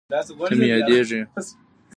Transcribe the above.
ته مې یادېږې